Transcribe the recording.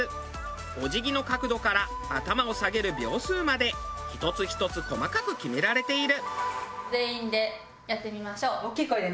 お辞儀の角度から頭を下げる秒数まで１つ１つ細かく決められている。